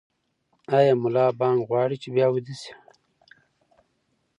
ایا ملا بانګ غواړي چې بیا ویده شي؟